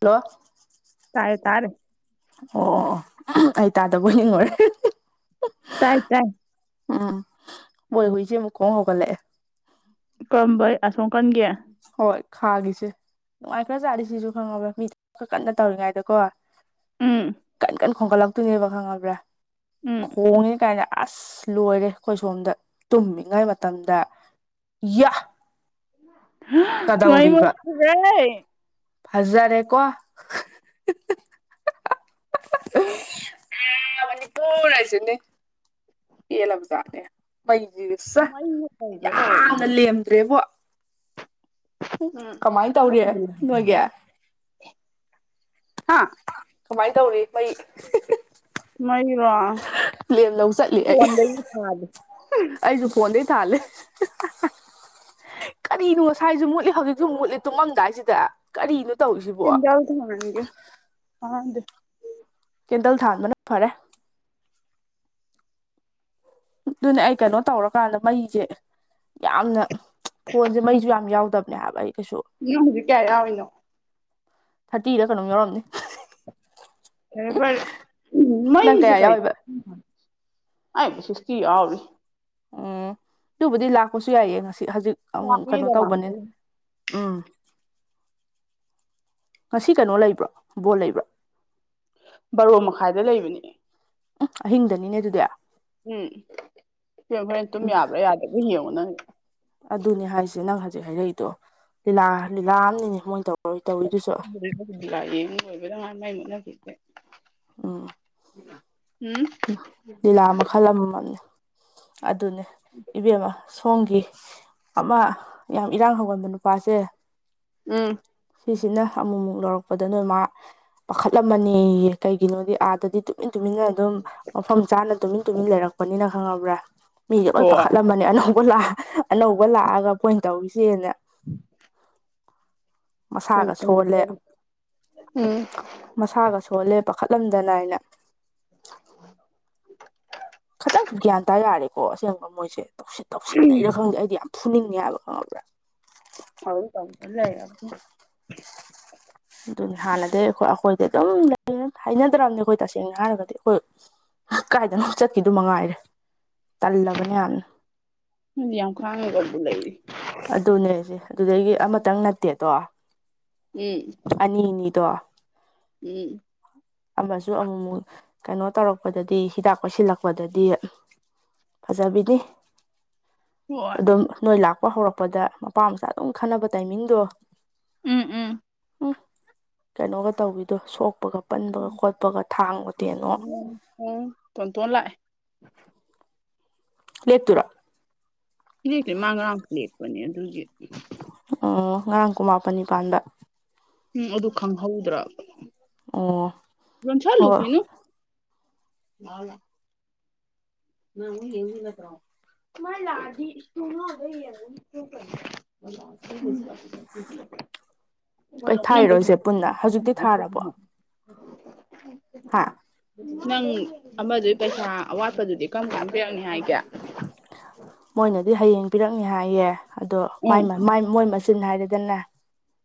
ꯂꯣ ꯇꯥꯔꯦ ꯇꯥꯔꯦ ꯑꯣ ꯑꯣ ꯑꯣ ꯑꯣ ꯑꯩ ꯇꯥꯗꯕꯣꯏ ꯅꯤꯡꯉꯨꯔꯦ ꯇꯥꯏ ꯇꯥꯏ ꯑꯥ ꯃꯣꯏ ꯍꯨꯏꯖꯦ ꯑꯃꯨꯛ ꯈꯣꯡ ꯍꯧꯒꯠꯂꯦꯑꯦ ꯀ꯭ꯔꯝꯕꯩ ꯑꯁꯣꯝ ꯀꯟꯒꯦ ꯍꯣꯏ ꯈꯥꯒꯤꯁꯦ ꯅꯨꯡꯉꯥꯏꯈ꯭ꯔꯖꯥꯅꯤ ꯁꯤꯖꯨ ꯈꯪꯉꯕ꯭ꯔ ꯃꯤ ꯈꯥꯀꯟꯅ ꯇꯧꯔꯤꯉꯥꯏꯗꯀꯣ ꯎꯝ ꯀꯟ ꯀꯟ ꯈꯣꯡꯒꯠꯂꯛꯇꯨꯅꯦꯕ ꯈꯪꯉꯕ꯭ꯔꯥ ꯎꯝ ꯈꯣꯡꯉꯦ ꯀꯥꯏꯅ ꯑꯁ ꯂꯣꯏꯔꯦ ꯑꯈꯣꯏ ꯁꯣꯝꯗ ꯇꯨꯝꯃꯤꯉꯥꯏ ꯃꯇꯝꯗ ꯌ ꯃꯩ ꯃꯨꯈꯔꯦ ꯐꯖꯔꯦ ꯀꯣ [unintelligible] ꯄꯦꯜꯂꯕꯖꯥꯅꯤ ꯃꯩꯖꯤꯖꯨ ꯆ ꯃꯩꯅ ꯀꯩꯅꯣ ꯇꯧꯔꯛꯏꯁꯦ ꯌꯥꯝꯅ ꯂꯦꯝꯗ꯭ꯔꯦꯕꯣ ꯍꯨꯝ ꯀꯃꯥꯏꯟ ꯇꯧꯔꯤ ꯅꯣꯏꯒꯤ ꯍꯥꯥ ꯀꯃꯥꯏꯟ ꯇꯧꯔꯤ ꯃꯩ ꯃꯩꯔꯣ ꯂꯦꯝ ꯂꯧ ꯆꯠꯂꯤ ꯑꯩ ꯑꯩꯖꯨ ꯐꯣꯟꯗꯩ ꯊꯥꯜꯂꯦ ꯀꯔꯤꯅꯣ ꯉꯁꯥꯏꯖꯨ ꯃꯨꯠꯂꯤ ꯍꯧꯖꯤꯛꯁꯨ ꯃꯨꯛ ꯃꯨꯠꯂꯤ ꯇꯨꯝꯃꯝꯗꯥꯏꯁꯤꯗ ꯀꯔꯤꯅꯣ ꯇꯧꯔꯤꯁꯤꯕꯣ [unintelligible] ꯀꯦꯟꯗꯜ ꯊꯥꯟꯕꯅ ꯐꯔꯦ ꯑꯗꯨꯅꯦ ꯑꯩ ꯀꯩꯅꯣ ꯇꯧꯔꯀꯥꯟꯗ ꯃꯩꯖꯦ ꯌꯥꯝꯅ ꯐꯣꯟꯖꯦ ꯃꯩꯖꯨ ꯌꯥꯝ ꯌꯥꯎꯗꯞ [unintelligible] ꯑꯩ ꯀꯩꯁꯨ ꯅꯪ ꯍꯨꯖꯤꯛ ꯀꯌꯥ ꯌꯥꯎꯔꯤꯅꯣ ꯊꯥꯔꯇꯤꯔ ꯀꯩꯅꯣꯝ ꯌꯥꯎꯔꯝꯅꯤ ꯐꯔꯦ ꯐꯔ ꯎ ꯅꯪ ꯃꯩꯖꯦ ꯀꯌꯥ ꯀꯩꯅꯣ ꯌꯥꯎꯔꯤꯕ ꯑꯥꯏꯕ ꯁꯤꯛꯁꯇꯤ ꯌꯥꯎꯔꯤ ꯎꯝ ꯗꯨꯕꯨꯗꯤ ꯂꯥꯛꯄꯁꯨ ꯌꯥꯏꯌꯦ ꯉꯁꯤ ꯍꯧꯖꯤꯛ ꯑꯪ ꯀꯩꯅꯣ ꯂꯥꯛꯅꯤꯗ ꯇꯧꯕꯅꯤ ꯂꯥꯛꯄꯩ ꯎꯝ ꯉꯁꯤ ꯀꯩꯅꯣ ꯂꯩꯕ꯭ꯔꯣ ꯕꯣꯜ ꯂꯩꯕ꯭ꯔꯣ ꯕꯔꯣ ꯃꯈꯥꯏꯗ ꯂꯩꯕꯅꯤ ꯎꯝ ꯑꯍꯤꯡꯗꯅꯤꯅꯦ ꯑꯗꯨꯗꯤ ꯎꯝ ꯁꯦ ꯍꯣꯔꯦꯟ ꯇꯨꯝ ꯎꯝ ꯌꯥꯕ꯭ꯔꯥ ꯌꯥꯗꯕ꯭ꯔꯥ ꯌꯦꯡꯉꯣ ꯅꯪ ꯑꯗꯨꯅꯦ ꯍꯥꯏꯁꯦ ꯅꯪ ꯍꯖꯤꯛ ꯍꯥꯏꯔꯛꯏꯗꯣ ꯂꯤꯂꯥ ꯂꯤꯂꯥ ꯑꯝꯅꯤꯅꯦ ꯃꯣꯏ ꯇꯧꯔꯣꯏ ꯇꯧꯔꯤꯗꯨꯁꯨ ꯂꯤꯂꯥ ꯌꯦꯡ ꯂꯣꯏꯕꯗ ꯉꯥꯏ ꯃꯩ ꯃꯨꯠꯅꯈꯤꯁꯦ ꯎꯝ [inaudible] ꯂꯤꯂꯥ ꯃꯈꯜ ꯑꯃꯃꯝꯅꯦ ꯑꯗꯨꯅꯦ ꯏꯕꯦꯝꯃꯥ ꯁꯣꯝꯒꯤ ꯑꯃꯥ ꯌꯥꯝ ꯏꯔꯥꯡ ꯍꯧꯒꯟꯕ ꯅꯨꯄꯥꯁꯦ ꯎꯝ ꯁꯤꯁꯤꯅ ꯑꯃꯨꯃꯨꯛ ꯂꯧꯔꯛꯄꯗ ꯅꯣꯏ ꯃꯥ ꯄꯥꯈꯠꯂꯝꯃꯅꯦꯌꯦ ꯀꯩꯒꯤꯅꯣꯗꯤ ꯑꯥꯗꯗꯤ ꯇꯨ ꯇꯨꯃꯤꯟ ꯇꯨꯃꯤꯟꯅ ꯑꯗꯨꯝ ꯃꯐꯝ ꯆꯥꯅ ꯇꯨꯃꯤꯟ ꯇꯨꯃꯤꯟ ꯂꯩꯔꯛꯄꯅꯤꯅ ꯈꯪꯉꯕ꯭ꯔꯥ ꯃꯤꯒ ꯂꯣꯏ ꯍꯣꯏ ꯄꯥꯈꯠꯂꯝꯃ ꯅꯦ ꯑꯅꯧꯕ ꯂꯥ ꯑꯅꯧꯕ ꯂꯥꯛꯑꯒ ꯄꯣꯏꯟ ꯇꯧꯔꯤꯁꯦꯅ [inaudible] ꯎꯝ ꯃꯁꯥꯒ ꯁꯣꯜꯂꯦ ꯃꯁꯥꯒ ꯁꯣꯜꯂꯦ ꯄꯥꯈꯠꯂꯝꯗꯅꯅ [inaudible] ꯈꯇꯪ ꯒ꯭ꯌꯥꯟ ꯇꯥ ꯌꯥꯔꯦꯀꯣ ꯑꯁꯦꯡꯕ ꯃꯣꯏꯁꯦ ꯇꯧꯁꯤꯟ ꯇꯧꯁꯤꯟꯅꯩꯔꯥ ꯈꯪꯗꯦ ꯑꯩꯗꯤ ꯌꯥꯝ ꯐꯨꯅꯤꯡꯉꯦ ꯍꯥꯏꯕ ꯈꯪꯉꯕ꯭ꯔꯥ [unintelligible] ꯑꯗꯨꯅꯤ ꯍꯥꯟꯅꯗꯩ ꯑꯈꯣꯏ ꯑꯈꯣꯏꯗꯤ ꯑꯗꯨꯝ ꯂꯩꯔ ꯍꯩꯅꯗ꯭ꯔꯝꯅꯤ ꯑꯩꯈꯣꯏ ꯇꯁꯦꯡꯅ ꯍꯥꯏꯔꯒꯗꯤ ꯈꯣꯏ ꯀꯥꯏꯗꯅꯣꯝ ꯆꯠꯈꯤꯗꯨ ꯃꯉꯥꯏꯔꯦ ꯇꯜꯂꯕꯅꯦ ꯌꯥꯝꯅ ꯅꯗꯤ ꯌꯥꯝ ꯈꯥꯡꯉꯒꯕꯨ ꯂꯩꯔꯤ ꯑꯗꯨꯅꯦ ꯍꯥꯢꯁꯦ ꯑꯗꯨꯗꯒꯤ ꯑꯃꯇꯪ ꯅꯠꯇꯦꯗꯣ ꯎꯝ ꯑꯅꯤꯅꯤꯗꯣ ꯎꯝ ꯑꯃꯁꯨ ꯑꯃꯨꯛꯃꯨꯛ ꯀꯩꯅꯣ ꯇꯧꯔꯛꯄꯗꯗꯤ ꯍꯤꯗꯥꯛ ꯀꯣꯏꯁꯤꯜꯂꯛꯄꯗꯗꯤ ꯐꯖꯕꯤꯗꯤ ꯍꯣꯏ ꯑꯗꯨꯝ ꯅꯣꯏ ꯂꯥꯛꯄ ꯍꯧꯔꯛꯄꯗ ꯃꯄꯥ ꯃꯆꯥ ꯑꯗꯨꯝ ꯈꯟꯅꯕ ꯇꯥꯏꯃꯤꯡꯗꯣ ꯎꯝ ꯎꯝ ꯎꯝ ꯀꯩꯅꯣꯒ ꯇꯧꯕꯤꯗꯣ ꯁꯣꯛꯄꯒ ꯄꯟꯕꯒ ꯈꯣꯠꯄꯒ ꯊꯥꯡꯋꯣ ꯇꯦꯟꯋꯣ ꯑꯣ ꯇꯣꯟ ꯇꯣꯟ ꯂꯥꯛꯑꯦ ꯂꯦꯞꯇꯨꯔꯣ ꯂꯦꯛꯇꯦ ꯃꯥꯥ ꯉꯥꯔꯡꯄꯨ ꯂꯦꯛꯄꯅꯤ ꯑꯗꯨꯒꯤ ꯑꯣ ꯉꯔꯥꯡ ꯀꯨꯟꯃꯥꯄꯟꯅꯤ ꯄꯥꯟꯕ ꯎꯝ ꯑꯗꯨ ꯈꯪꯍꯧꯗ꯭ꯔꯕ ꯑꯣ ꯍꯣꯏ ꯌꯣꯟꯁꯜꯂꯨꯈꯤꯅꯨ [unintelligible] ꯅꯃꯨ ꯌꯦꯡꯅꯤ ꯅꯇ꯭ꯔꯣ ꯃꯥꯥꯏ ꯂꯥꯛꯑꯗꯤ ꯊꯣꯡꯅꯥꯎꯗꯩ [unintelligible] [unintelligible] ꯀꯩ ꯄꯣꯂꯞ ꯅꯪ ꯄꯩꯁꯥ ꯊꯥꯔꯤꯔꯣꯏꯁꯦ ꯄꯨꯟꯅ ꯍꯧꯖꯤꯛꯇꯤ ꯊꯥꯔꯕꯣ [unintelligible] ꯍꯥꯥ ꯅꯪ ꯑꯃꯗꯨꯏ ꯄꯩꯁꯥ ꯑꯋꯥꯠꯄꯗꯨꯗꯤ ꯀꯔꯝ ꯀꯥꯟ ꯄꯤꯔꯛꯅꯤ ꯍꯥꯏꯒꯦ ꯃꯣꯏꯅꯗꯤ ꯍꯌꯦꯡ ꯄꯤꯔꯛꯅꯤ ꯍꯥꯏꯌꯦ ꯑꯗꯣ ꯃꯥꯢ ꯎꯝ ꯃꯥ ꯃꯥꯏ ꯃꯣꯏ ꯃꯆꯤꯟ ꯍꯥꯏꯔꯦꯗꯅꯦ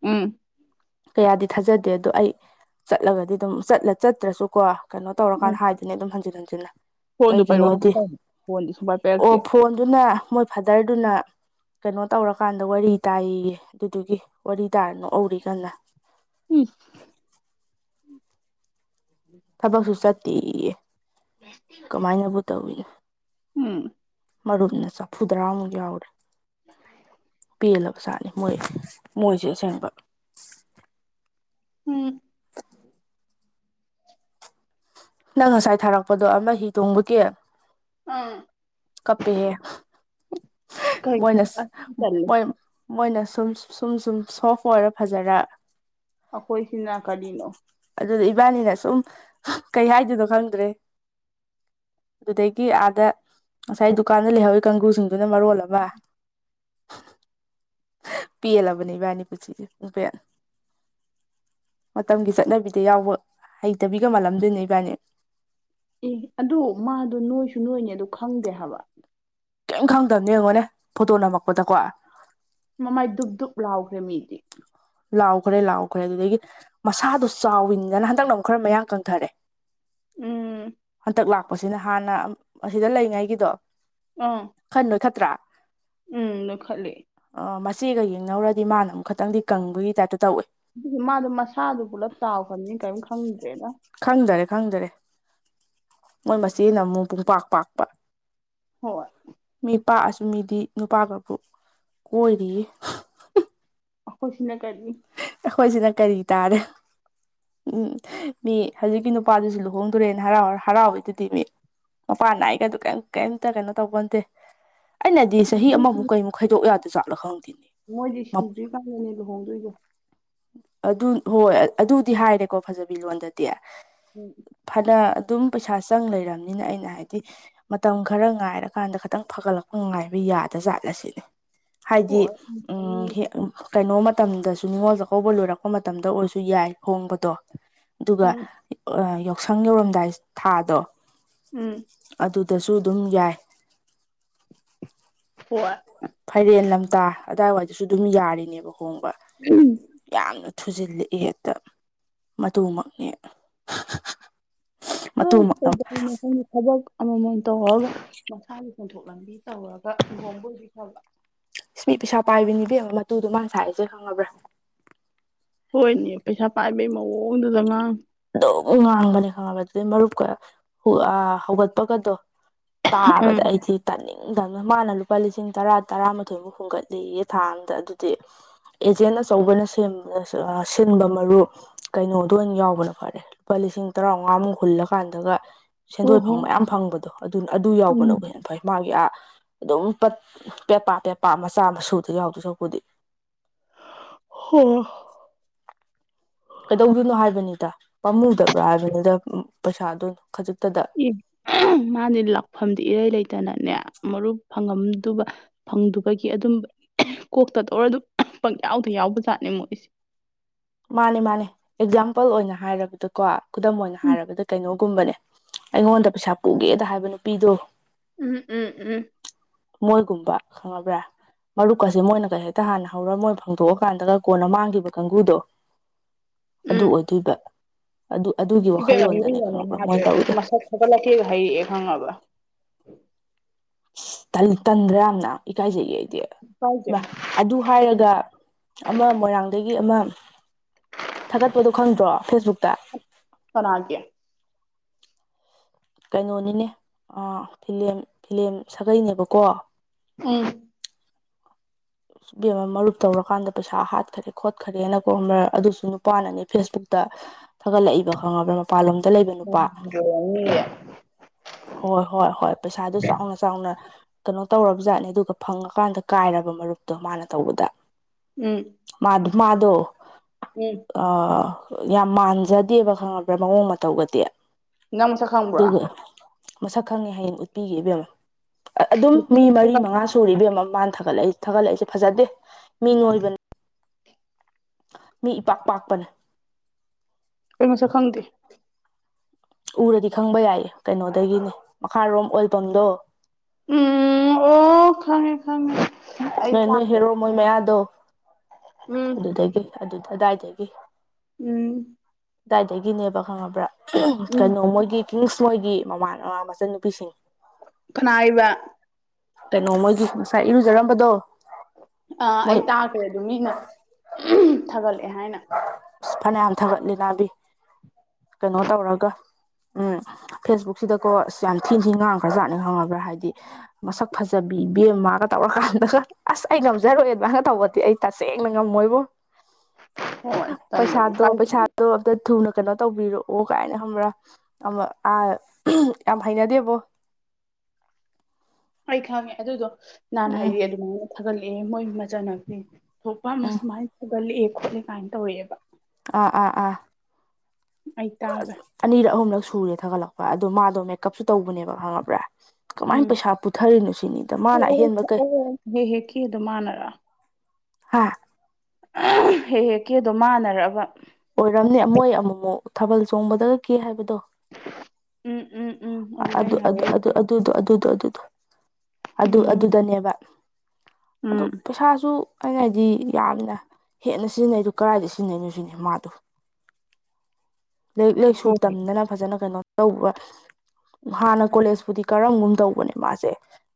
ꯎꯝ ꯀꯌꯥꯗꯤ ꯊꯥꯖꯗꯦ ꯑꯗꯣ ꯑꯩ ꯆꯠꯂꯒꯗꯤ ꯑꯗꯨꯝ ꯆꯠꯂ ꯆꯠꯇ꯭ꯔꯁꯨ ꯀꯣ ꯀꯩꯅꯣ ꯎꯝ ꯇꯧꯔꯀꯥꯟꯗ ꯍꯥꯏꯗꯨꯅꯦ ꯑꯗꯨꯝ ꯍꯟꯖꯤꯟ ꯍꯟꯖꯤꯟꯅ ꯐꯣꯟꯗꯣ ꯀꯩꯒꯤꯅꯣꯗꯤ ꯄꯥꯏꯔꯛꯑꯣ [unintelligible] ꯐꯣꯟꯗꯤ ꯁꯨꯡꯄꯥꯏ ꯄꯥꯏꯔꯛꯇꯦ ꯑꯗꯨꯅ ꯃꯣꯏ ꯐꯥꯗ꯭ꯔꯗꯨꯅ ꯀꯩꯅꯣ ꯇꯧꯔꯀꯥꯟꯗ ꯋꯥꯔꯤ ꯇꯥꯏꯌꯦ ꯌꯦ ꯑꯗꯨꯗꯨꯒꯤ ꯋꯥꯔꯤ ꯇꯥꯔ ꯅꯣꯛꯎꯔꯤ ꯀꯟꯅ ꯎꯝ [unintelligible] ꯊꯕꯛꯁꯨ ꯆꯠꯇꯦꯌꯦ ꯀꯃꯥꯏꯅꯕꯨ ꯇꯧꯔꯤꯅꯣ ꯎꯝ ꯃꯔꯨꯨꯞꯅ ꯆꯐꯨꯗ꯭ꯔꯥꯃꯨꯛ ꯌꯥꯎꯔꯦ ꯄꯦꯜꯂꯕ ꯖꯥꯅꯤ ꯃꯣꯏ ꯃꯣꯏꯁꯦ ꯑꯁꯦꯡꯕ ꯎꯝ ꯅꯪ ꯉꯁꯥꯏ ꯊꯥꯔꯛꯄꯗꯣ ꯑꯃ ꯍꯤ ꯇꯣꯡꯕꯒꯤ ꯑꯥ ꯀꯞꯄꯦꯍꯦ ꯀꯩ ꯃꯣꯏꯅ ꯑꯁ ꯇꯜꯂꯦ ꯃꯣꯏ ꯃꯣꯏꯅ ꯁꯨꯝ ꯁꯨꯝ ꯁꯨꯝ ꯁꯣꯐ ꯑꯣꯏꯔ ꯐꯖꯔꯛ ꯑꯈꯣꯏꯁꯤꯅ ꯀꯔꯤꯅꯣ ꯑꯗꯨꯗ ꯏꯕꯥꯅꯤꯅ ꯁꯨꯝ ꯍ ꯀꯩ ꯍꯥꯏꯗꯣꯏꯅꯣ ꯈꯪꯗ꯭ꯔꯦ ꯑꯗꯨꯗꯒꯤ ꯑꯥꯗ ꯉꯁꯥꯏ ꯗꯨꯀꯥꯟꯗ ꯂꯩꯍꯧꯋꯤ ꯀꯥꯡꯒ꯭ꯔꯨꯁꯤꯡꯗꯨꯅ ꯃꯔꯣꯜ ꯑꯃ ꯄꯦꯂꯕꯅꯤ ꯢꯕꯥꯟꯅꯤ ꯄꯨꯟꯁꯤꯖꯦ ꯄꯨꯡꯄꯦꯟ ꯃꯇꯝꯒꯤ ꯆꯠꯅꯕꯤꯗ ꯌꯥꯎꯕ ꯍꯩꯇꯕꯤꯒ ꯃꯥꯜꯂꯝꯗꯣꯏꯅꯦ ꯏꯕꯥꯅꯤ ꯑꯦ ꯑꯗꯣ ꯃꯥꯗꯣ ꯅꯣꯏꯁꯨ ꯅꯣꯏꯅꯦ ꯑꯗꯨ ꯈꯪꯗꯦ ꯍꯥꯏꯕ ꯀꯩꯝ ꯈꯪꯗꯝꯅꯤ ꯌꯦꯡꯉꯣꯅꯦ ꯐꯣꯇꯣ ꯅꯝꯃꯛꯄꯗꯀꯣ ꯃꯃꯥꯏ ꯗꯨꯞ ꯗꯨꯞ ꯂꯥꯎꯈ꯭ꯔꯦ ꯃꯤꯗꯤ ꯂꯥꯎꯈ꯭ꯔꯦ ꯂꯥꯎꯈ꯭ꯔꯦ ꯑꯗꯨꯗꯒꯤ ꯃꯁꯥꯗꯣ ꯆꯥꯎꯋꯤꯅꯤꯗꯅ ꯍꯟꯗꯛꯅ ꯑꯃꯨꯛ ꯈꯔ ꯃꯌꯥꯡ ꯀꯪꯊꯔꯦ ꯎꯝ ꯍꯟꯇꯛ ꯂꯥꯛꯄꯁꯤꯅ ꯍꯥꯟꯅ ꯑꯁꯤꯗ ꯂꯩꯉꯩꯒꯤꯗꯣ ꯎꯪ ꯈꯟ ꯅꯣꯏꯈꯠꯇ꯭ꯔꯥ ꯎꯝ ꯅꯣꯏꯈꯠꯂꯦ ꯑꯥ ꯃꯥꯆꯦꯒ ꯌꯦꯡꯅꯧꯔꯗꯤ ꯃꯥꯅ ꯑꯃꯨꯛ ꯈꯇꯪꯗꯤ ꯀꯪꯕꯒꯤ ꯇꯥꯏꯞꯇ ꯇꯧꯋꯦ ꯗꯨꯗꯤ ꯃꯥꯗꯣ ꯃꯁꯥꯗꯨ ꯄꯨꯂꯞ ꯆꯥꯎꯈ꯭ꯔꯝꯅꯤ ꯀꯩꯝ ꯈꯪꯗ꯭ꯔꯦꯗ ꯈꯪꯗꯔꯦ ꯈꯪꯗꯔꯦ ꯃꯣꯏ ꯃꯆꯦꯅ ꯑꯃꯨꯛ ꯄꯨꯡꯄꯥꯛ ꯄꯥꯛꯄ ꯍꯣꯏ ꯃꯤ ꯄꯥꯛꯑꯁꯨ ꯃꯤꯗꯤ ꯅꯨꯄꯥꯒꯕꯨ ꯀꯣꯏꯔꯤꯌꯦ ꯈꯣꯏꯁꯤꯅ ꯀꯔꯤ ꯑꯩꯈꯣꯏꯁꯤꯅ ꯀꯔꯤ ꯇꯥꯔꯦ ꯎꯝ ꯃꯤ ꯍꯧꯖꯤꯛꯀꯤ ꯅꯨꯄꯥꯗꯨꯁꯨ ꯂꯨꯍꯣꯡꯗꯣꯔꯦꯅ ꯍꯔꯥꯎꯔ ꯍꯔꯥꯎꯔꯤꯗꯨꯗꯤ ꯃꯤ ꯃꯄꯥ ꯅꯥꯏꯒꯗꯨ ꯀꯩꯝ ꯀꯩꯝꯇ ꯀꯩꯅꯣ ꯇꯧꯄꯣꯟꯇꯦ ꯑꯩꯅꯗꯤ ꯆꯍꯤ ꯃꯣꯏꯗꯤ ꯑꯃꯃꯨꯛ ꯀꯩꯃꯨꯛ ꯈꯩꯗꯣꯛ ꯌꯥꯗ ꯥꯖꯥꯠꯂ ꯈꯪꯗꯦꯅꯦ ꯃꯞ ꯅꯪꯅꯅꯦ ꯂꯨꯍꯣꯡꯗꯣꯏꯗꯣ ꯑꯗꯨ ꯍꯣꯏ ꯑꯗꯨꯗꯤ ꯍꯥꯏꯔꯦꯀꯣ ꯐꯖꯕꯤ ꯂꯣꯟꯗꯗꯤ [unintelligible] ꯐꯅ ꯑꯗꯨꯝ ꯄꯩꯁꯥ ꯆꯪ ꯂꯩꯔꯝꯅꯤꯅ ꯑꯩꯅ ꯍꯥꯏꯗꯤ ꯃꯇꯝ ꯈꯔ ꯉꯥꯏꯔꯀꯥꯟꯗ ꯈꯇꯪ ꯐꯒꯠꯂꯛꯄ ꯉꯥꯏꯕ ꯌꯥꯗ ꯖꯥꯠꯂꯁꯤꯅꯤ ꯍꯥꯏꯗꯤ ꯍꯣꯏ ꯎꯝ ꯍꯦ ꯀꯩꯅꯣ ꯃꯇꯝꯗꯁꯨ ꯅꯤꯉꯣꯜꯒ ꯍꯧꯕ ꯂꯣꯏꯔꯛꯄ ꯃꯇꯝꯗ ꯑꯣꯏꯁꯨ ꯌꯥꯏ ꯍꯣꯡꯕꯗꯣ ꯑꯗꯨꯒ ꯎꯝ ꯑꯥ ꯌꯥꯎꯁꯪ ꯌꯧꯔꯝꯗꯥꯏ ꯊꯥꯗꯣ ꯎꯝ ꯑꯗꯨꯗꯁꯨ ꯑꯗꯨꯝ ꯌꯥꯏ ꯍꯣꯏ ꯐꯩꯔꯦꯟ ꯂꯝꯇꯥ ꯑꯗꯥꯏꯋꯥꯏꯗꯁꯨ ꯑꯗꯨꯝ ꯌꯥꯔꯤꯅꯦꯕ ꯍꯣꯡꯕ [unintelligible] ꯌꯥꯝꯅ ꯊꯨꯖꯤꯜꯂꯛꯏ ꯍꯦꯇꯥ ꯃꯇꯨꯃꯛꯅꯦ ꯑ ꯃꯇꯨꯃꯛꯅ ꯀꯩꯗꯧꯔꯤꯅꯣ ꯈꯪꯗꯦ ꯊꯕꯛ ꯑꯃꯃꯝ ꯇꯧꯔꯒ ꯃꯁꯥꯒꯤ ꯁꯦꯟꯊꯣꯛ ꯂꯝꯕꯤ ꯇꯧꯔꯒ ꯂꯨꯍꯣꯡꯕ ꯑꯣꯏꯗꯤ ꯐꯕ ꯏꯁꯃꯤ ꯄꯩꯁꯥ ꯄꯥꯏꯕꯤꯅꯤ ꯏꯕꯦꯝꯃ ꯃꯇꯨꯗꯣ ꯃꯥꯟ ꯁꯥꯏꯔꯤꯖꯦ ꯈꯪꯉꯕ꯭ꯔꯥ ꯍꯣꯏꯅꯦ ꯄꯩꯁꯥ ꯄꯥꯏꯕꯩ ꯃꯑꯣꯡꯗꯨꯗ ꯉꯥꯡ ꯑꯗꯨꯝ ꯉꯥꯡꯕꯅꯦ ꯈꯪꯉꯕ ꯑꯗꯨꯗꯩ ꯃꯔꯨꯞꯀ ꯍꯨ ꯑꯥ ꯍꯧꯒꯠꯄꯒꯗꯣ ꯎꯝ ꯇꯥꯕꯗ ꯑꯩꯗꯤ ꯇꯥꯅꯤꯡꯗꯝꯅ ꯃꯥꯅ ꯂꯨꯄꯥ ꯂꯤꯁꯤꯡ ꯇꯔꯥ ꯇꯔꯥꯃꯥꯊꯣꯏꯃꯨꯛ ꯍꯨꯟꯒꯠꯂꯤꯌꯦ ꯊꯥꯑꯝꯗ ꯑꯗꯨꯗꯤ ꯑꯦꯖꯦꯟ ꯑꯆꯧꯕꯅ ꯁꯦꯝ ꯑꯥ ꯁꯤꯟꯕ ꯃꯔꯨ ꯀꯩꯅꯣꯗꯣ ꯑꯣꯏꯅ ꯌꯥꯎꯕꯅ ꯐꯔꯦ ꯂꯨꯄꯥ ꯂꯤꯁꯤꯡ ꯇꯔꯥꯎꯉꯥꯃꯨꯛ ꯍꯨꯜꯂꯀꯥꯟꯗꯒ ꯍꯣ ꯁꯦꯟꯗꯣꯏ ꯍꯣꯏ ꯐꯪꯕ ꯌꯥꯝ ꯐꯪꯕꯗꯣ ꯑꯗꯨꯅ ꯑꯗꯨ ꯎꯝ ꯌꯥꯎꯕꯅꯕꯨ ꯍꯦꯟꯅ ꯐꯩ ꯃꯥꯒꯤ ꯑꯥ ꯑꯗꯨꯝ ꯄꯠ ꯄꯦꯄꯥ ꯄꯦꯄꯥ ꯃꯆꯥ ꯃꯁꯨꯗ ꯌꯥꯎꯗꯣꯏ ꯁꯔꯨꯛꯄꯨꯗꯤ [unintelligible] ꯀꯩꯗꯧꯗꯣꯏꯅꯣ ꯍꯥꯏꯕꯅꯤꯗ ꯄꯥꯝꯃꯨꯗꯕ꯭ꯔꯥ ꯍꯥꯏꯕꯅꯤꯗ ꯄꯩꯁꯥꯗꯨ ꯈꯖꯤꯛꯇꯗ ꯏ ꯃꯥꯗꯤ ꯂꯥꯛꯐꯝꯗꯤ ꯏꯔꯩ ꯂꯩꯇꯅꯅꯦ ꯃꯔꯨꯞ ꯐꯪꯉꯝꯗꯨꯕ ꯐꯪꯗꯨꯕꯒꯤ ꯑꯗꯨꯝꯕ ꯀꯣꯛꯇ ꯇꯧꯔꯗꯨꯝ ꯄꯪꯌꯥꯎꯗ ꯌꯥꯎꯕ ꯖꯥꯠꯅꯦ ꯃꯣꯏꯁꯦ ꯃꯥꯅꯦ ꯃꯥꯅꯦ ꯑꯦꯛꯖꯥꯝꯄꯜ ꯑꯣꯏꯅ ꯍꯥꯏꯔꯕꯗꯀꯣ ꯈꯨꯗꯝ ꯑꯣꯏꯅ ꯍꯥꯏꯔꯕꯗ ꯀꯩꯅꯣꯒꯨꯝꯕꯅꯦ ꯑꯩꯉꯣꯟꯗ ꯄꯩꯁꯥ ꯄꯨꯒꯦꯗ ꯍꯥꯏꯕ ꯅꯨꯄꯤꯗꯣ ꯎꯝ ꯎꯝ ꯎꯝ ꯃꯣꯏꯒꯨꯝꯕ ꯈꯪꯉꯕ꯭ꯔꯥ ꯃꯔꯨꯞꯀꯖꯦ ꯃꯣꯏꯅꯒ ꯍꯦꯛꯇ ꯍꯥꯟꯅ ꯍꯧꯔ ꯃꯣꯏ ꯐꯪꯗꯣꯛꯑꯀꯥꯟꯗꯒ ꯀꯣꯟꯅ ꯃꯥꯡꯒꯤꯕ ꯀꯥꯡꯒꯨꯗꯣ ꯑꯗꯨ ꯑꯣꯏꯗꯣꯏꯕ ꯑꯗꯨ ꯑꯗꯨꯒꯤ ꯋꯥꯈꯜꯂꯣꯟꯗꯅꯦ ꯈꯪꯉꯕ꯭ꯔꯥ ꯃꯣꯏꯅ ꯇꯧꯔꯤꯗꯣ [unintelligible] ꯈꯪ ꯑꯕꯥ ꯏꯁ ꯇꯟ ꯇꯟꯗ꯭ꯔꯥ ꯌꯥꯝꯅ ꯏꯀꯥꯏꯖꯩꯌꯦ ꯑꯩꯗꯤ ꯄꯥꯏꯗꯦ ꯃꯥ ꯑꯗꯨ ꯍꯥꯏꯔꯒ ꯑꯃ ꯃꯣꯏꯔꯥꯡꯗꯒꯤ ꯑꯃ ꯊꯥꯒꯠꯄꯗꯣ ꯈꯪꯗ꯭ꯔꯣ ꯐꯦꯁꯕꯨꯛꯇ ꯀꯅꯥꯒꯤ ꯀꯩꯅꯣꯅꯤꯅꯦ ꯐꯤꯂꯦꯟ ꯐꯤꯂꯦꯟ ꯁꯥꯒꯩꯅꯦꯕꯀꯣ ꯎꯝ ꯕꯦꯝꯃ ꯃꯔꯨꯞ ꯇꯧꯔꯀꯥꯟꯗ ꯄꯩꯁꯥ ꯍꯥꯠꯈꯔꯦ ꯈꯣꯠꯈꯔꯦꯅꯀꯣꯝꯕ ꯑꯗꯨꯁꯨ ꯅꯨꯄꯥꯅꯅꯦ ꯐꯦꯁꯕꯨꯛꯇ ꯊꯥꯒꯠꯂꯛꯢꯕ ꯈꯪꯉꯕꯔꯥ ꯃꯥ ꯃꯄꯥꯟꯂꯣꯝꯗ ꯂꯩꯕ ꯅꯨꯄꯥ ꯖꯣꯔꯥꯅꯤꯒꯤ ꯍꯣꯏ ꯍꯣꯏ ꯍꯣꯏ ꯄꯩꯁꯥꯗꯨ ꯆꯥꯎꯅ ꯆꯥꯎꯅ ꯀꯩꯅꯣ ꯇꯧꯔꯕ ꯖꯥꯠꯅꯦ ꯑꯗꯨꯒ ꯐꯪꯉꯀꯥꯟꯗ ꯀꯥꯏꯔꯕ ꯃꯔꯨꯞꯇꯣ ꯃꯥꯅ ꯇꯧꯕꯗ ꯎꯝ ꯃꯥꯗꯣ ꯃꯥꯗꯣ [unintelligible] ꯑ ꯌꯥꯝ ꯃꯥꯟꯖꯗꯦꯕ ꯈꯪꯉꯕ꯭ꯔꯥ ꯃꯑꯣꯡ ꯃꯇꯧꯒꯗꯤ ꯅꯪ ꯃꯁꯛ ꯈꯪꯕ꯭ꯔꯣ ꯗꯨꯒ ꯃꯁꯛ ꯈꯪꯉꯦ ꯍꯌꯦꯡ ꯎꯠꯄꯤꯒꯦ ꯏꯕꯦꯝꯃ ꯑꯗꯨꯝ ꯃꯤ ꯅꯨꯄꯤꯗꯣ ꯃꯁꯛ ꯃꯔꯤ ꯈꯪ ꯃꯉꯥ ꯁꯨꯔꯦ ꯕꯦꯝꯃ ꯃꯥꯅ ꯊꯥꯒꯠꯂꯛꯏ ꯊꯥꯒꯠꯂꯛꯏꯁꯦ ꯐꯖꯗꯦ ꯃꯤ ꯅꯣꯏꯕꯅꯤ ꯃꯤ ꯏꯄꯥꯛ ꯄꯥꯛꯄꯅꯦ ꯑꯩ ꯃꯁꯛ ꯈꯪꯗꯦ ꯎꯔꯗꯤ ꯈꯪꯕ ꯌꯥꯏ ꯀꯩꯅꯣꯗꯒꯤꯅꯦ ꯃꯈꯥꯔꯣꯝ ꯑꯣꯏꯜ ꯄꯝꯗꯣ ꯎꯝ ꯑꯣ ꯈꯪꯉꯦ ꯈꯪꯉꯦ ꯑꯩ ꯅꯣꯏ ꯅꯣꯏ ꯇꯥꯈ꯭ꯔꯦ ꯍꯦꯔꯣ ꯃꯣꯏ ꯃꯌꯥꯗꯣ ꯎꯝ ꯑꯗꯨꯗꯒꯤ ꯑꯗꯥꯏꯗꯒꯤ ꯎꯝ ꯑꯗꯥꯏꯗꯒꯤꯅꯦꯕ ꯈꯪꯉꯕ꯭ꯔꯥ ꯎꯝ ꯀꯩꯅꯣ ꯃꯣꯏꯒꯤ ꯀꯤꯁ ꯃꯣꯏꯒꯤ ꯃꯃꯥꯟ ꯃꯆꯟꯅꯨꯄꯤꯁꯤꯡ ꯈꯥꯟꯅꯥꯏꯕ ꯀꯩꯅꯣ ꯃꯣꯏꯒꯤ ꯉꯁꯥꯏ ꯏꯔꯨꯖꯔꯝꯕꯗꯣ ꯑ ꯃꯣꯏ ꯑꯩ ꯇꯥꯒ꯭ꯔꯦ ꯗꯨꯝ ꯃꯤꯅ ꯊꯥꯒꯠꯂꯛꯑꯦ ꯍꯥꯏꯅ ꯐꯅꯌꯥꯝ ꯊꯥꯒꯠꯂꯤ ꯅꯥꯗꯤ ꯀꯩꯅꯣ ꯇꯧꯔꯒ ꯎꯝ ꯐꯦꯁꯕꯨꯛꯁꯤꯗꯀꯣ ꯑꯁ ꯌꯥꯝ ꯊꯤꯅ ꯊꯤ ꯉꯥꯡ ꯈ꯭ꯔꯖꯥꯠꯅꯤ ꯈꯪꯉꯕ꯭ꯔꯥ ꯍꯥꯏꯗꯤ ꯃꯁꯛ ꯐꯖꯕꯤ ꯕꯦꯝꯃꯒ ꯇꯧꯔꯀꯥꯟꯗꯒ ꯑꯁ ꯑꯩ ꯉꯝꯖꯔꯣꯏ ꯑꯗꯨꯃꯥꯏꯅ ꯇꯧꯕꯗꯤ ꯑꯩ ꯇꯁꯦꯡꯅ ꯉꯝꯃꯣꯏꯕꯣ ꯍꯣꯏ ꯇꯟꯕꯒꯤ ꯄꯩꯁꯥꯗꯣ ꯏꯀꯥꯏꯕꯒꯤ ꯄꯩꯁꯥꯗꯣ ꯑꯝꯇ ꯊꯨꯅ ꯀꯩꯅꯣ ꯇꯧꯕꯤꯔꯛꯑꯣ ꯀꯥꯏꯅ ꯈꯪꯕ꯭ꯔꯥ ꯑꯃ ꯑꯥꯝ ꯌꯥꯝ ꯍꯩꯅꯗꯦꯕꯣ ꯑꯩ ꯈꯪꯉꯦ ꯑꯗꯨꯗꯣ ꯅꯍꯥꯟ ꯎꯝ ꯍꯥꯏꯔꯦꯌꯦ ꯑꯗꯨꯃꯥꯏꯅ ꯊꯥꯒꯠꯂꯛꯑꯦ ꯃꯣꯏ ꯃꯆꯥꯟꯅꯨꯄꯤ ꯊꯣꯄꯥꯝ ꯎꯝ ꯃꯁ ꯃꯥꯥꯏ ꯊꯣꯒꯠꯂꯦ ꯈꯣꯠꯂꯦ ꯀꯥꯏꯅ ꯇꯧꯌꯦꯋꯦ ꯑꯥ ꯑꯥ ꯑꯥ ꯑꯩ ꯇꯥꯒ꯭ꯔꯦ ꯑꯅꯤꯔꯛ ꯑꯍꯨꯝꯂꯛ ꯁꯨꯔꯦ ꯊꯥꯒꯠꯂꯛꯄ ꯑꯗꯣ ꯃꯥꯗꯣ ꯃꯦꯀꯞꯁꯨ ꯇꯧꯕꯅꯦꯕ ꯈꯪꯉꯕ꯭ꯔꯥ ꯀꯃꯥꯏꯅ ꯎꯝ ꯄꯩꯁꯥ ꯄꯨꯊꯔꯤꯅꯣ ꯁꯤꯅꯤꯗ ꯃꯥꯅ ꯑꯣ ꯑꯍꯦꯟꯕ ꯑꯣ ꯀꯩ ꯑꯣ ꯍꯦ ꯍꯦꯛ ꯀꯦꯗꯨ ꯃꯥꯟꯅꯔ ꯍꯥ ꯍꯦ ꯍꯦꯛ ꯀꯦꯗ‌ꯣ ꯃꯥꯟꯅ ꯔꯕ ꯑꯣꯏꯔꯝꯅꯦ ꯃꯣꯏ ꯑꯃꯨꯃꯨꯛ ꯊꯥꯕꯜ ꯆꯣꯡꯕꯗꯒ ꯀꯦ ꯍꯥꯏꯕꯗꯣ ꯎꯝ ꯎꯝ ꯎꯝ ꯑꯗꯨꯅꯦ ꯑꯗꯨ ꯑꯩꯅ ꯑꯗꯨ ꯍꯥꯏꯔꯛꯏ ꯑꯗꯨ ꯑꯗꯨꯗꯣ ꯑꯗꯨꯗꯣ ꯑꯗꯨꯗꯣ ꯑꯗꯨ ꯎꯝ ꯑꯗꯨꯗꯅꯦꯕ ꯑꯗꯣ ꯎꯝ ꯄꯩꯁꯥꯁꯨ ꯑꯩꯅ ꯍꯥꯏꯗꯤ ꯌꯥꯝꯅ ꯍꯦꯟꯅ ꯁꯤꯖꯤꯟꯅꯩ ꯗꯨ ꯀꯥꯏꯗ ꯁꯤꯖꯤꯟꯅꯩꯅꯣ ꯁꯤꯅꯦ ꯃꯥꯗꯣ [inaudible] ꯂꯥꯏꯔꯤꯛ ꯂꯥꯏꯁꯨ ꯍꯣꯏ ꯇꯝꯗꯅ ꯐꯖꯅ ꯀꯩꯅꯣ ꯇꯧꯕ ꯍꯥꯟꯅ ꯀꯣꯂꯦꯖꯄꯨꯗꯤ ꯀꯔꯝꯒꯨꯝ ꯇꯧꯕꯅꯦ ꯃꯥꯁꯦ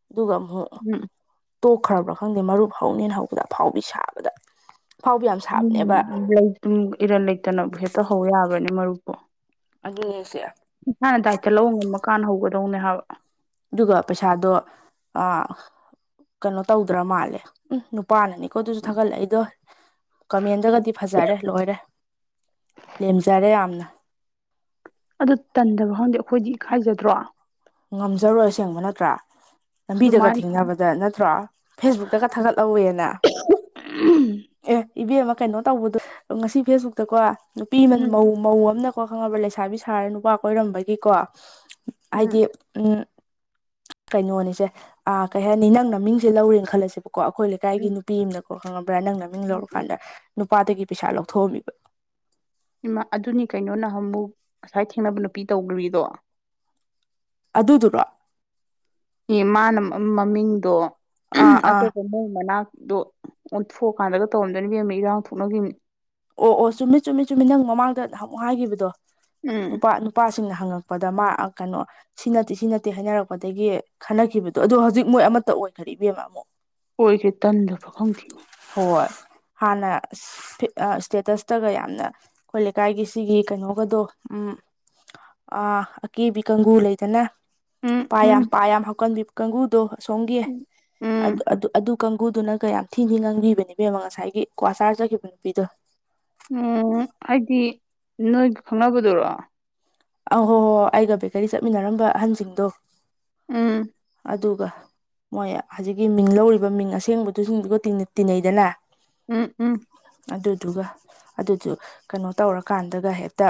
ꯑꯗꯨꯒ ꯑꯃꯨꯛ ꯎꯝ ꯇꯣꯛꯈ꯭ꯔꯕ꯭ꯔꯥ ꯈꯪꯗꯦ ꯃꯔꯨꯞ ꯍꯧꯅꯤꯅ ꯍꯧꯕꯗ ꯑꯐꯥꯎꯕꯤ ꯁꯥꯕꯗ ꯑꯐꯥꯎꯕꯤ ꯌꯥꯝ ꯁꯥꯕꯅꯦꯕ ꯎꯝ [unintelligible] ꯏꯔꯟ ꯂꯩꯇꯅꯕꯨ ꯍꯦꯛꯇ ꯍꯧ ꯌꯥꯕ꯭ꯔꯅꯦ ꯃꯔꯨꯞꯄꯨ ꯑꯗꯨꯅ‌ꯦꯁꯦ ꯃꯁꯥꯅ ꯗꯥꯏꯇ ꯂꯧꯕ ꯉꯝꯃ ꯀꯥꯟꯗ ꯍꯧꯒꯗꯧꯅꯦ ꯍꯥꯏꯕ ꯑꯗꯨꯒ ꯄꯩꯁꯥꯗꯣ ꯑꯥ ꯀꯩꯅꯣ ꯇꯧꯗ꯭ꯔ ꯃꯥꯜꯂꯦ ꯎꯝ ꯅꯨꯄꯥꯅꯅꯤꯀꯣ ꯑꯗꯨꯁꯨ ꯊꯥꯒꯠꯂꯛꯏꯗꯣ ꯀꯃꯦꯟꯗꯒꯗꯤ ꯐꯖꯔꯦ ꯂꯣꯏꯔꯦ ꯂꯦꯝꯖꯔꯦ ꯌꯥꯝꯅ ꯑꯗꯨ ꯇꯟꯗꯕ꯭ꯔ ꯈꯪꯗꯦ ꯑꯩꯈꯣꯏꯗꯤ ꯏꯀꯥꯏꯖꯗ꯭ꯔꯣ ꯉꯝꯖꯔꯣꯏ ꯑꯁꯦꯡꯕ ꯅꯠꯇ꯭ꯔꯥ ꯂꯝꯕꯤꯗꯒ ꯑꯗꯨꯃꯥꯏꯅ ꯊꯦꯡꯅꯕꯗ ꯅꯠꯇ꯭ꯔ‌ꯣ ꯐꯦꯁꯕꯨꯛꯇꯒ ꯊꯥꯒꯠꯍꯧꯋꯦꯅꯥ ꯎꯝ ꯑꯦ ꯏꯕꯦꯝꯃ ꯀꯩꯅꯣ ꯇꯧꯕꯗꯣ ꯉꯁꯤ ꯐꯦꯁꯕꯨꯛꯇ ꯀꯣ ꯅꯨꯄꯤ ꯑꯃ ꯎꯝ ꯃꯧ ꯃꯧ ꯑꯝꯅꯀꯣ ꯈꯪꯉꯕ꯭ꯔꯥ ꯂꯩꯁꯥꯕꯤ ꯁꯥꯔ ꯅꯨꯄꯥ ꯀꯣꯏꯔꯝꯕꯒꯤꯀꯣ ꯍꯥꯏꯗꯤ ꯎꯝ ꯎꯝ ꯀꯩꯅꯣꯅꯤꯁꯦ ꯑꯥ ꯀꯩ ꯍꯥꯏꯅꯤ ꯅꯪ ꯅꯃꯤꯡꯁꯦ ꯂꯧꯔꯦꯅ ꯈꯜꯂꯁꯦꯕ ꯀꯣ ꯑꯩꯈꯣꯏ ꯂꯩꯀꯥꯏꯒꯤ ꯅꯨꯄꯤ ꯑꯝꯅꯀꯣ ꯈꯪꯉꯕ꯭ꯔꯥ ꯅꯪ ꯅꯃꯤꯡ ꯎꯝ ꯎꯝ ꯂꯧꯔꯀꯥꯟꯗ ꯅꯨꯄꯥꯗꯒꯤ ꯄꯩꯁꯥ ꯂꯧꯊꯣꯛꯑꯝꯃꯤꯕ ꯏꯃꯥ ꯑꯗꯨꯅꯤ ꯀꯩꯅꯣ ꯅꯍꯥꯟꯃꯨꯛ ꯉꯁꯥꯏ ꯊꯦꯡꯅꯕ ꯅꯨꯄꯤ ꯇꯧꯒ꯭ꯔꯤꯗꯣ ꯑꯗꯨꯗꯨꯔꯣ ꯑꯦ ꯃꯥꯅ ꯃ ꯃꯃꯤꯡꯗꯣ ꯑꯥ [unintelligible] ꯑꯥ ꯑꯇꯣꯞꯄ ꯃꯣꯏ ꯃꯅꯥꯛꯀꯤꯗ‌ꯣ ꯑꯣꯟꯊꯣꯛꯑꯀꯥꯟꯗꯒ ꯇꯧꯔꯝꯗꯅ ꯏꯕꯦꯝꯃ ꯏꯔꯥꯡ ꯊꯣꯛꯅꯒꯤꯕ ꯑꯣ ꯑꯣ ꯆꯨꯝꯃꯤ ꯆꯨꯝꯃꯤ ꯆꯨꯝꯃꯤ ꯅꯪ ꯃꯃꯥꯡꯗ ꯅꯍꯥꯟꯃꯨꯛ ꯍꯥꯏꯒꯤꯕꯗꯣ ꯎꯝ ꯅꯨꯄꯥ ꯅꯨꯄꯥꯁꯤꯡꯅ ꯍꯪꯉꯛꯄꯗ ꯃꯥ ꯑꯥ ꯀꯩꯅꯣ ꯁꯤ ꯅꯠꯇꯦ ꯁꯤ ꯅꯠꯇꯦ ꯍꯥꯏꯅꯔꯛꯄꯗꯒꯤ ꯈꯠꯅꯈꯤꯕꯗꯣ ꯑꯗꯣ ꯍꯧꯖꯤꯛ ꯃꯣꯏ ꯑꯃꯠꯇ ꯑꯣꯏꯈ꯭ꯔꯦ ꯏꯕꯦꯝꯃ ꯑꯃꯨꯛ ꯑꯣꯏꯈ꯭ꯔꯦ ꯇꯟꯗꯕꯔ ꯈꯪꯗꯦ ꯍꯣꯏ ꯍꯥꯟꯅ ꯑꯁ ꯐꯤꯠ ꯑꯥ ꯁ꯭ꯇꯦꯇꯁꯇꯒ ꯌꯥꯝꯅ ꯑꯩꯈꯣꯏ ꯂꯩꯀꯥꯏꯒꯤ ꯁꯤꯒꯤ ꯀꯩꯅꯣꯒꯗꯣ ꯎꯝ ꯑꯥ ꯑꯀꯦꯕꯤ ꯀꯥꯡꯒꯨ ꯂꯩꯗꯅ ꯎꯝ ꯄꯥ ꯎꯝ ꯌꯥꯝ ꯄꯥ ꯌꯥꯝ ꯍꯥꯞꯀꯟꯕꯤ ꯀꯥꯡꯕꯨꯗꯣ ꯑ ꯁꯣꯝꯒꯤ ꯎꯝ ꯑꯗꯨ ꯑꯗꯨ ꯑꯗꯨ ꯀꯥꯡꯒꯨꯗꯨꯅ ꯀꯌꯥꯝ ꯊꯤꯟ ꯊꯤꯅ ꯉꯥꯡꯕꯤꯕꯅꯦ ꯏꯕꯦꯝꯃ ꯉꯁꯥꯏꯒꯤ ꯀ꯭ꯋꯥ ꯆꯥꯔ ꯆꯠꯈꯤꯕ ꯅꯨꯄꯤꯗꯣ ꯎꯝ ꯍꯥꯏꯗꯤ ꯅꯣꯏꯒ ꯈꯪꯅꯕꯗꯨꯔꯣ ꯑꯧ ꯍꯣ ꯍꯣ ꯍꯣ ꯑꯩꯒ ꯕꯦꯀꯔꯤ ꯆꯠꯃꯤꯟꯅꯔꯝꯕ ꯑꯍꯟꯁꯤꯡꯗꯣ ꯎꯝ ꯑꯗꯨꯒ ꯃꯣꯏ ꯍꯧꯖꯤꯛꯀꯤ ꯃꯤꯡ ꯂꯧꯔꯤꯕ ꯃꯤꯡ ꯑꯁꯦꯡꯕꯗꯨ ꯁꯤꯡꯗꯨꯒ ꯇꯤꯟꯅꯩꯗꯅ ꯎꯝ ꯎꯝ ꯑꯗꯨꯗꯨꯒ ꯑꯗꯨꯗꯨ ꯀꯩꯅꯣ ꯇꯧꯔꯀꯥꯟꯗꯒ ꯍꯦꯇ